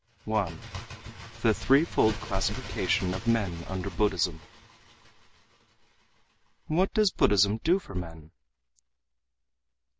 1. The Threefold Classification of Men Under Buddhism "What does Buddhism do for men?"